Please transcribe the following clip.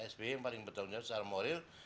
sby yang paling bertanggung jawab secara moral